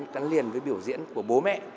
gắn liền với biểu diễn của bố mẹ